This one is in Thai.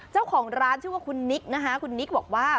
เจ้าของร้านชื่อว่าคุณนิกนะคะคุณนิกบอกว่า